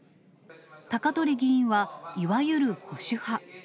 高鳥議員は、いわゆる保守派。